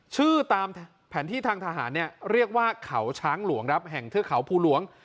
ตามแผนที่ทางทหารเรียกว่าเขาช้างหลวงครับแห่งเทือกเขาภูหลวง